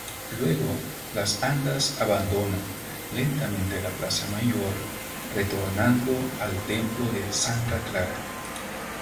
Luego, las andas abandonan lentamente la Plaza Mayor retornando al Templo de Santa Clara.